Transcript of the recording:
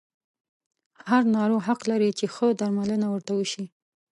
هر ناروغ حق لري چې ښه درملنه ورته وشي.